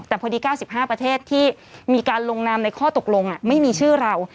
แต่พอดี๙๕ประเทศที่มีการลงนามในข้อตกลงไม่มีชื่อเรา